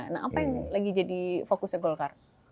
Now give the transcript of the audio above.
nah apa yang lagi jadi fokusnya golkar